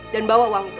dan bawa uang itu